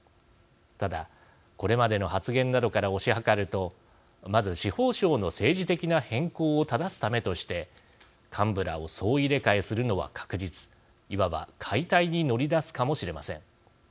ただ、これまでの発言などから推し量るとまず、司法省の政治的な偏向を正すためとして幹部らを総入れ替えするのは確実いわば、解体に乗り出すかもしれません。